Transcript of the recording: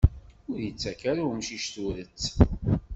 Ur ittak ara umcic turet.